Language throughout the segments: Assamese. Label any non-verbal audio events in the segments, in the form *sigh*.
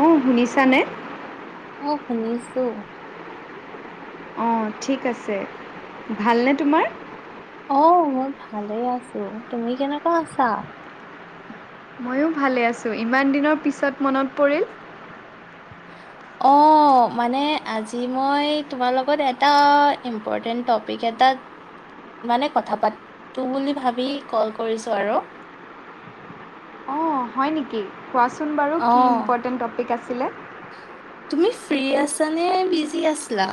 অ শুনিছানে অঁ শুনিছোঁ অঁ ঠিক আছে ভালনে তোমাৰ আহ মই ভালেই আছো তুমি কেনেকুৱা আছা ময়ো ভালে আছো ইমান দিনৰ পিছত মনত পৰিল *unintelligible* অ মানে আজি মই তোমাৰ লগত এটা ইম্পৰ্টেণ্ট টপিক এটা মানে কথা পাতো বুলি ভাবি কল কৰিছো আৰু *unintelligible* অঁ হয় নেকি কোৱাচোন বাৰু অ কি ইম্পৰ্টেণ্ট টপিক আছিলে তুমি ফ্ৰী আছানে বিজি আছিলা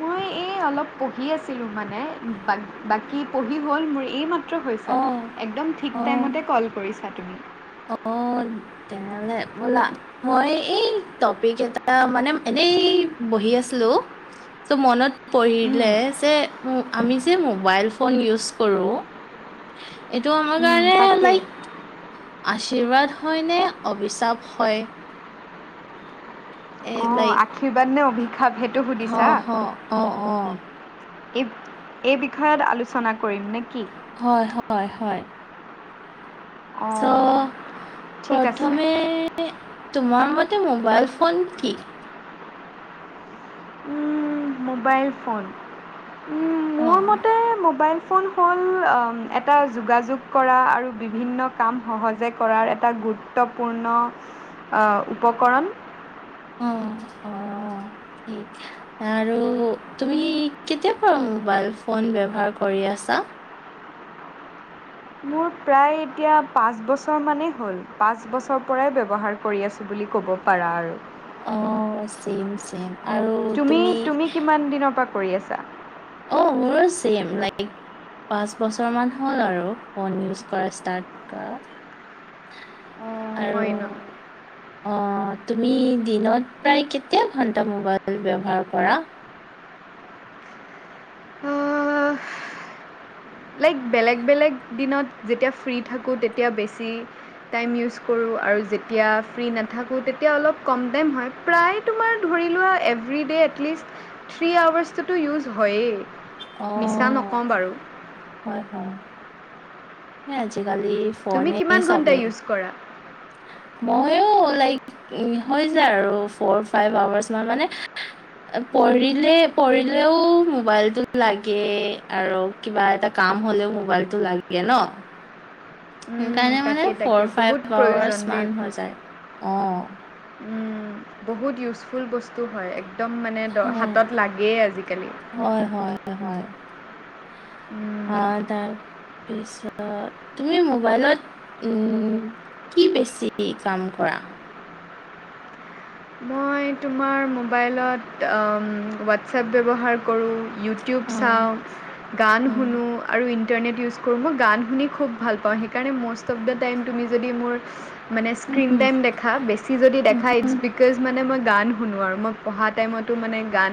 মই এই অলপ পঢ়ি আছিলো মানে বাক -বাকী পঢ়ি হ'ল মোৰ এই মাত ত্ৰ হৈছে অ একদম ঠিক অ টাইমতে ক'ল কৰিছা তুমি। অ, তেনেহলে ব'লা মই এই টপিক এটা মানে এনে এই বহি আছিলো চ' মনত উম, পঢ়িলে যে উম, আমি যে মোবাইল ফোন ইউজ কৰোঁ এইটো আমা তাকে। আশীৰ্বাদ হয় নে অবিচাপ হয়? এ অ, লাইক আশীৰ্বাদ নে অভিশাপ সেইটো হ সুধিছা? হ অ অ এইব-এই বিষয়ত আলোচনা কৰিম নে কি? হয়-হয়-হয় ছ' অঁ ঠিক আছে প্ৰথমে তোমাৰ মতে মোবাইল ফোন কি? উম, মোবাইল ফোন উম, অ মোৰ মতে মোবাইল ফোন হ'ল *unintelligible* এটা যোগাযোগ কৰা আৰু বিভিন্ন কাম সহজে কৰাৰ এটা গুৰুত্বপূৰ্ণ অ, উপকৰণ অ', অ', অ', ঠিক আৰু তুমি কেতিয়া পৰা মোবাইল ফোন ব্যৱহাৰ কৰি আছা? মোৰ প্ৰায় এতিয়া পাঁচ বছৰ মানেই হ'ল পাঁচ বছৰ পৰাই ব্যৱহাৰ কৰি আছো বুলি লি ক'ব পাৰা আৰু। অ, চেম-চেম। তুমি-তুমি কিমান দিনৰ পা কৰি আছা? অ, মোৰ চেম লাইক পাঁচ বছৰমান হ'ল আৰু ফোন ইউজ কৰা ষ্টাৰ্ট কৰা। অঁ আৰু হয় ন অ তুমি দিনত প্ৰায় কেতিয়া ঘন্টা মোবাইল ব্যৱহাৰ কৰা? আহ, লাইক বেলেগ বেলেগ দিনত যেতিয়া ফ্ৰী থাকোঁ তেতিয়া বেছি টাইম ইউজ কৰোঁ। আৰু যেতিয়া ফ্ৰী নাথাকোঁ তেতিয়া অলপ কম দম হয় প্ৰায় তোমাৰ ধৰি লোৱা every day at least three hours টোতো ইজ হয়ে মিছা অ', নকওঁ বাৰু। হয় হয়। আজিকালি তুমি ফোনে কিমান চব ঘণ্টা ইউজ কৰা মইো লাইক হৈ যায় আৰু ফৰ ফাইভ আৱাৰ্চ মান মানে পঢ়িলে পঢ়িলেও মোবাইলটো লাগে আৰু কিবা এটা ক কাম হলেও মোবাইলটো লাগে ন। সেইকাৰণে মানে তাকে ফৰ তাকে ফাইভ বহুত প্ৰয়োজন আৱাৰ্চ দেই মান হৈ যায় অ। বহুত ইউজফুল বস্তু হয় এক একদম মানে হয়, হাতত লাগেই আজিকালি। হয়, হয়, হয়। তাৰপিছত তুমি মোবাইলত উম কি বেছি কাম কৰা? মই তোমাৰ মোবাইলত হোৱাটছএপ ব্যৱহাৰ কৰোঁ। ইউটিউব অ', চাওঁ গান অ' শুনো আৰু ইণ্টাৰনেট ইউজ কৰোঁ মই গান শুনি খুব ভাল পাওঁ সেইকাৰণে ম'ষ্ট অফ দ্যা টাইম তুমি যদি মোৰ মানে স্ক্ৰীণ উহুম, টাইম দেখা বেছি যদি দেখা উহুম, ইটছ বিকজ মানে মই গান শুনো আৰু মই পঢ়া টাইমতো মানে গান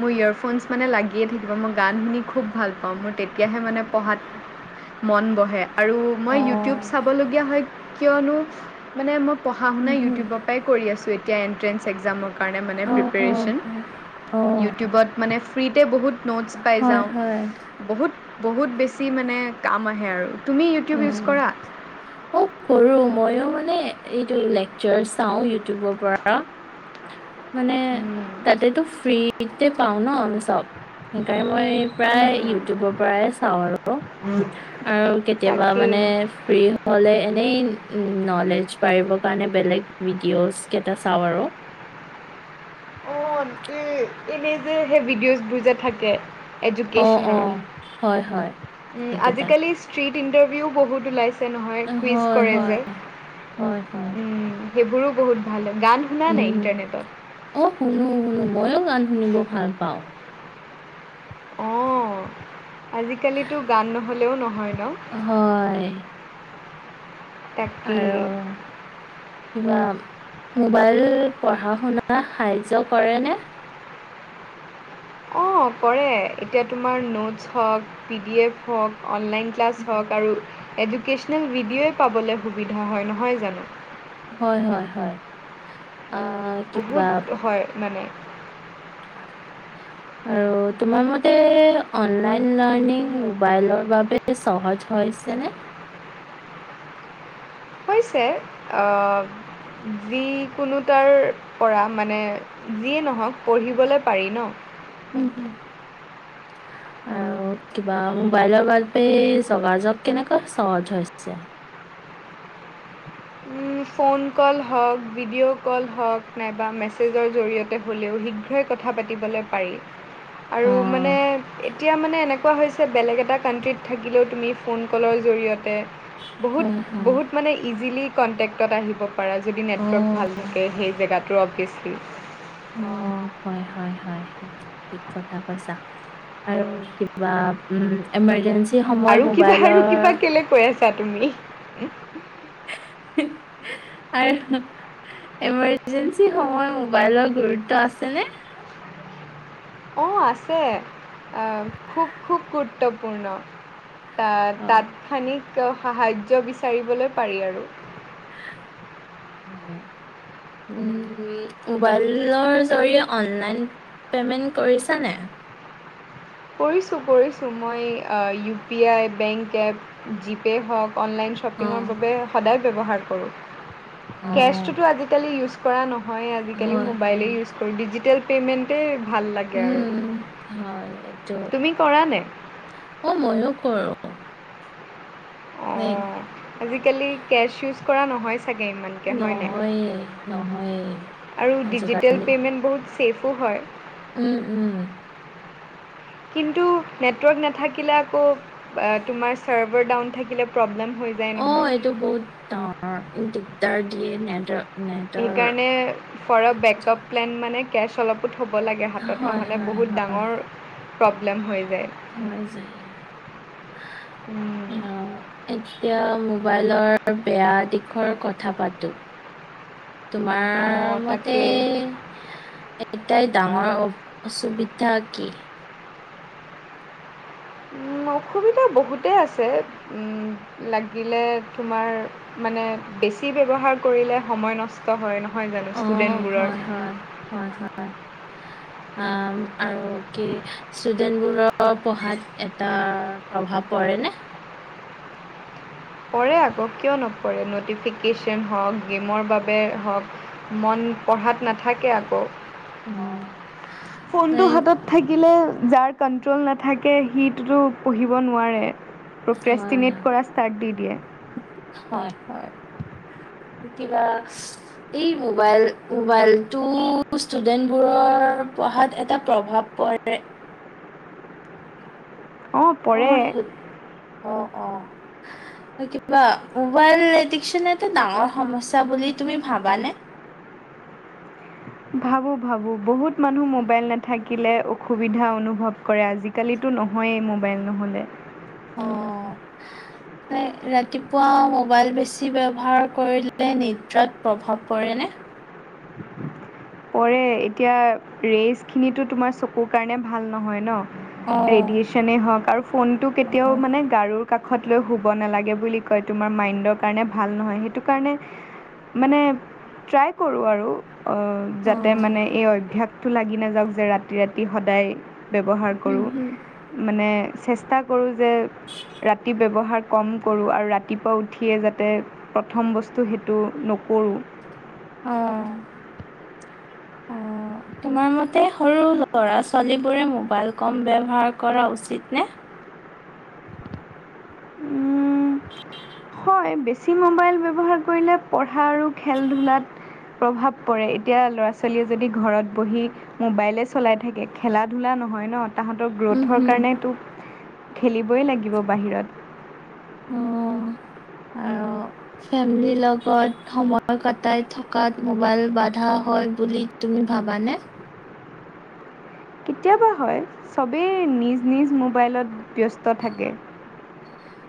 মোৰ ইয়েৰফোনছ মানে লাগিয়ে থাকিব। মই গান শুনি খুব ভাল পাওঁ মোৰ তেতিয়াহে মানে পঢ়াত মন বহে। আৰু মই ইউটিউব অ' চাবলগীয়া হয় কিয়নো মানে মই পঢ়া শুনা উহুম, ইউটিউবৰ পৰাই আছো এতিয়া এট্ৰেঞ্চ এক্সামত কাৰণে মানে অ' অ' প্ৰিপেৰেশ্যন অ' অ', ইউটিউবত মানে ফ্ৰীতে বহুত নোটছ পাই হয়, যাওঁ হয়। বহুত বহুত বেছি মানে কাম আহে আৰু। তুমি ইউটিউব ইউজ কৰা উম কৰো ময়ো মানে মানে এইটো লেকচাৰ চাওঁ ইউটিউবৰ পৰা। মানে তাতেতটো ফ্ৰীতে পাও ন আমি চব সেইকাৰণে মই প্ৰায় ইটিউবৰ পৰাই চাওঁ আৰু আৰু। কেতিয়াবা মানে তাকেই ফ্ৰী হলে এনেই নলেজ পাৰিবৰ কাৰণে বেলেগ ভিডিঅ'জ কেইটা চাওঁ আৰু। এনেই যে সেই ভিডিঅ'জবোৰ যে থাকে। অ', এডুকেশ্বনৰ। অ', হয়, হয়, উম এইকেইটা। আজিকালি ষ্ট্ৰীট ইণ্টাৰ ভিউ বহুত ওলাইছে নহয় হয়, কুইজ কৰে হয়, যে। হয়, হয়, সেইবোৰো বহুত ভাল হয়। গান শুনা নাই উম ইণ্টাৰনেটত অ শুনো শুনো মইয়ো গান শুনিব ভাল পাওঁ। অহ আজিকালিতো গান নহ'লেও নহয়। ন হয়। তাকেই। আৰু কিবা মোবাইল পঢ়া শুনা সাহায্য কৰে নে? অ কৰে এতিয়া তোমাৰ নোটছ হওঁক, পি ডি এফ হওঁক অনলাইন ক্লাছ হওঁক আৰু এডুকেচনেল ভিডিঅ'ই পাবলৈ সুবিধা হয় নহয় জানো। হয় হয় হয় আহ বহুত কিবা হয় মানে *inaudible* আৰু তোমাৰ মতে অনলাইন লাৰ্ণিং মোবাইলৰ বাবে সহজ হৈছে নে? হৈছে অহ। যিকোনো তাৰ পৰা মানে যিয়ে নহওঁক পঢ়িবলৈ পাৰি ন। উম উম। আৰু কিবা মোবাইলৰ বাবে যোগাযোগ কেনেকুৱা সহজ হৈছে। উম ফোন কল হওঁক, ভিডিঅ' কল হওঁক, নাইবা মেছেজৰ জৰিয়তে হ'লেও শীঘ্ৰেই কথা পাতিবলে পাৰি, আৰু মানে অ', এতিয়া মানে এনে কোৱা হৈছে বেলেগ এটা কাণ্ট্ৰীত থাকিলেও তুমি ফোন কলৰ জৰিয়ত তে বহুত হয় হয়। বহুত মানে ইজিলি কণ্টেক্টত আহিব। পৰা যদি নেটৱৰ্ক ভাল অ', থাকে সেই জেগাটোৰ অবভিয়াছলি অহ হয় হয় হয় হয় ঠিক কথা কৈছা আৰু কিবা উম ইমাৰ্জেন্স আৰু কিবা আৰু কিবা কেলে কৈ আছা তুমি হে আৰু ইমাৰ্জেন্সি সময়ত মোবাইলৰ গুৰুত্ব আছেনে অ আছে আহ খুব খুব গুৰুত্বপূৰ্ণ তা অ', তাৎক্ষণিক সাহাৰ্য বিচাৰিবলৈ পাৰি আৰু অহ উম মোবাইলৰ জৰিয়তে অনলাইন পেমেণ্ট কৰিছা নে কৰিছো কৰিছো মই আহ U P I bank app, GPay হওঁক অনলাইন শ্বপিঙৰ অ', বাবে সদায় ব্যৱহাৰ কৰোঁ, কেছটোতো আজিকালি ইউজ কৰা নহয়ে আজিকালি হয়, হয়। মোবাইলেই ইউজ কৰোঁ ডিজিটেল পেমেণ্টে উম হয় তুমি কৰা নে অ মইয়ো কৰোঁ লাইক অহ আজিকালি কেছ ইউজ কৰা নহয় চাগে ইমানকে হয় নাই, নহয়ে, নহয়ে আৰু ডিজিটেল আজিকালি। পেমেণ্ট বহুত ছেফো হয় উম উম কিন্তু নেটৱৰ্ক নাথাকিলে আকৌ আ তোমাৰ ছাৰ্ভাৰ ডাউন থাকিলে প্ৰব্লেম হৈ যায় অহ নহয় এইটো বহুত ডাঙৰ দিগদাৰ দিয়ে নেটৰ নেটৰ সেইকাৰণে ফ'ৰ এ বেকআপ প্লেন মানে কেছ অলপ থ'ব লাগে হাতত হয়, নহ'লে হয়, বহুত হয়, ডাঙৰ প্ৰব্লেম হৈ যায় হৈ যায়। আহ, এতিয়া মোবাইলৰ বেয়া দিশৰ কথা পাতো। তোমাৰ অঁ মতে তাকেই এটাই ডাঙৰ অ-অসুবিধা কি? উম, অসুবিধা বহুতেই আছে। উম, লাগিলে তোমাৰ মানে বেছি ব্যৱহাৰ কৰিলে সময় নষ্ট হয় ন। অ' হয়, হয়, হয়, হয়। আ' আৰু কি ষ্টুডেন্টবোৰৰ পঢ়াত এটা প্ৰভাৱ পৰে নে? *inaudible* পৰে আকৌ কিয় নপৰে, নটিফিকেশ্যন হওক গেমৰ বাবে হওক। মন, পঢ়াত নাথাকে আকৌ, অ', ফোনটো লাইক হাতত থাকিলে। যাৰ কণ্ট্ৰল নাথাকে, সিটোতো পঢ়িব নোৱাৰে। হয়, *unintelligible* কৰা ষ্টাৰ্ট দি। দিয়ে হয় হয়। কিবা এই মোবাইল মবাইলটো ষ্টুডেন্ট বোৰৰ পঢ়াত এটা প্ৰভাৱ পৰে। অঁ পঢ়ে অ' সুধে। অ' অ'। কিবা মবাইল এডিকচন এটা ডাঙৰ সমস্যা বুলি তুমি ভাবানে? ভাবো ভাবো, বহুত মানুহ মোবাইল নাথাকিলে অসুবিধা অনুভৱ কৰে আজিকালিতো। টো নহয়েই মোবাইল নহ'লে। অ। *unintelligible* ৰাতিপুৱা মবাইল বেছি ব্যৱহাৰ কৰিলে নিদ্ৰাত প্ৰভাৱ পৰে নে? *inaudible* পৰে, এতিয়া ৰেইজ খিনিটো তোমাৰ চকুৰ কাৰণে ভাল নহয় ন'। অ', ৰেডিয়েচনে হওঁক আৰু ফোনটো কেতিয়াও মানে গাৰুৰ কাষ ত লৈ শুব নালাগে বুলি কয়, তোমাৰ মাইণ্ডৰ কাৰণে ভাল নহয় সেইটো কাৰণে মানে ট্ৰাই কৰো আৰু। অ', যাতে মানে এই অভ্যাসটো লাগি নাযাওক যে ৰাতি ৰাতি সদায় ব্যৱহাৰ হুম কৰোঁ হুম মানে চেষ্টা কৰোঁ যে ৰাতি ব্যৱহাৰ কম কৰোঁ আৰু ৰাতিপুৱা উঠিয়ে যাতে প্ৰথম বস্তু সেইটো নক কৰো। অ। *unintelligible* তোমাৰ মতে সৰু ল'ৰা-ছোৱালীবোৰে মোবাইল কম ব্যৱহাৰ কৰা উচিত নে? *inaudible* উম হয়, বেছি মোবাইল ব্যৱহাৰ কৰিলে পঢ়া আৰু খেল-ধূলাত প্ৰভাৱ পৰে, এতিয়া ল'ৰা-ছোৱালীয়ে যদি ঘৰত বহি মোবাইলেই চলাই থাকে খেলা-ধূলা নহয় ন', তাহাতৰ উম গ্ৰ'থৰ হুম কাৰণেটো খেলিবই লাগিব বাহিৰত। অ, আৰু ফেমিলি লগত সময় কটাই থকাত মবাইল বাধা হয় বুলি তু মি ভাবানে? কেতিয়াবা হয় চবেই নিজ নিজ মোবাইলত ব্যস্ত থাকে।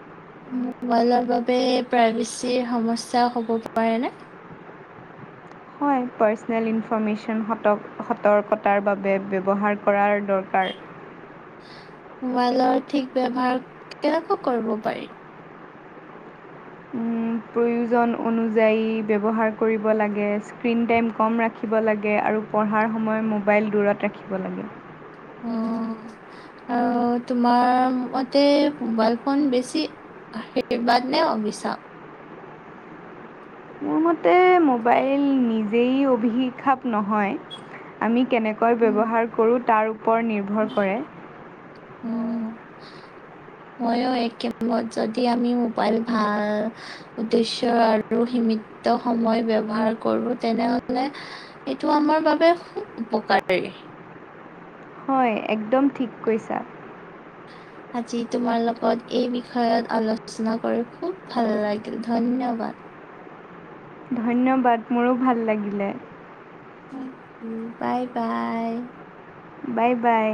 *inaudible* মোবাইলৰ বাবে প্ৰাইভেচিৰ সমস্যা হ'ব পাৰেনে? হয়, পাৰ্চনেল ইনফৰৰ্মেশ্যন সতক সতৰ্কতাৰ বাবে ব্যৱহাৰ কৰাৰ দৰকাৰ। মবাইলৰ ঠিক ব্যৱহাৰ কেনেকৈ কৰিব পাৰি? উম, প্ৰয়োজন অনুযায়ী ব্যৱহাৰ কৰিব লাগে, স্ক্ৰীণ টাইম কম ৰাখিব লাগে আৰু পঢ়াৰ সময় মোবাইল দূৰত ৰাখিব লাগে। অহ। আৰু তোমাৰ মতে মোবাইল ফোন বেছি আশীৰ্বাদ নে অভিচাপ? মোৰ মতে মোবাইল নিজেই অভিশাপ নহয় আমি কেনেকৈ ব্যৱহাৰ কৰো তাৰ ওপ ওপৰত নিৰ্ভৰ কৰে। মইয়ো এইগেমত যদি আমি মোবাইল ভাল উদ্দেশ্যয় আৰু সীমিত সময় বব্যৱহাৰ কৰো তেনেহলে এইটো আমাৰ বাবে খুব উপকাৰী। হয় একদম ঠিক কৈছা। আজি তোমাৰ লগত এই বিষয়ত আলোচনা কৰি খুব ভাল লাগিল, ধন্যবাদ। ধন্যবা, মোৰো ভাল লাগিলে। Bye bye. Bye bye.